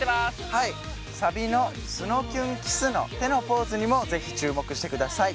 はいサビのスノキュンｋｉｓｓの手のポーズにもぜひ注目してください